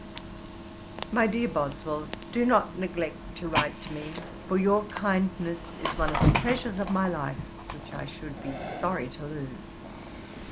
'My dear Boswell, do not neglect to write to me; for your kindness is one of the pleasures of my life, which I should be sorry to lose.